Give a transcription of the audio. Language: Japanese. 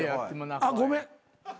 あっごめん。